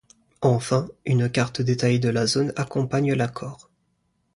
Enfin, une carte détaillée de la zone accompagne l'accord.